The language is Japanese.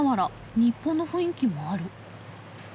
日本の雰囲気もある。